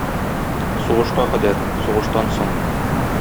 Сугышка кадәр... сугыштан соң...